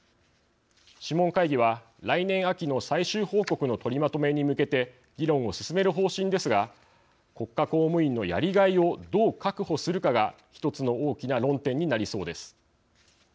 諮問会議は来年秋の最終報告の取りまとめに向けて議論を進める方針ですが国家公務員のやりがいをどう確保するかが一つの大きな論点になりそうです。